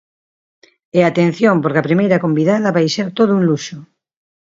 E atención porque a primeira convidada vai ser todo un luxo.